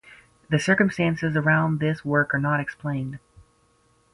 The circumstances around this work are not explained.